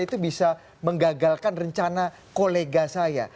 itu bisa menggagalkan rencana kolega saya